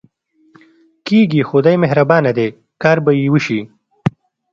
کېږي، خدای مهربانه دی، کار به یې وشي.